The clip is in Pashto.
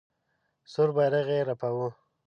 سور بیرغ یې رپاوه.